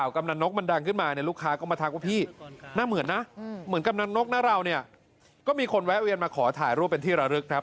กำนันนกหน้าเราเนี่ยก็มีคนแวะเวียนมาขอถ่ายรูปเป็นที่ระลึกครับ